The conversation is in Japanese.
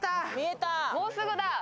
もうすぐだ。